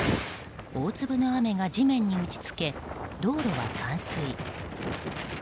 大粒の雨が地面に打ち付け道路は冠水。